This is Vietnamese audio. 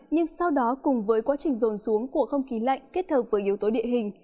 nhưng sau đó cùng với quá trình rồn xuống của không khí lạnh kết hợp với yếu tố địa hình